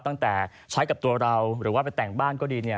ตั้งแต่ใช้กับตัวเราหรือว่าไปแต่งบ้านก็ดีเนี่ย